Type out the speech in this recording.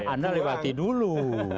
anda lewati dulu